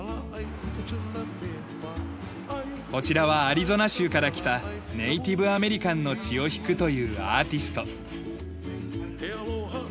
こちらはアリゾナ州から来たネイティブ・アメリカンの血を引くというアーティスト。